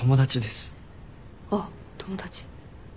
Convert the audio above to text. あっ友達。